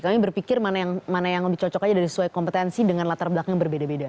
kami berpikir mana yang lebih cocok aja dari sesuai kompetensi dengan latar belakang yang berbeda beda